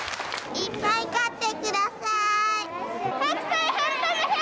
いっぱい買ってください。